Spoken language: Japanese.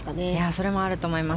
それもあると思います。